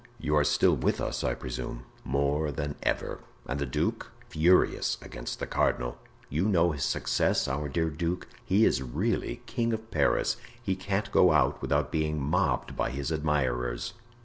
You are still with us, I presume?" "More than ever. And the duke?" "Furious against the cardinal. You know his success—our dear duke? He is really king of Paris; he can't go out without being mobbed by his admirers."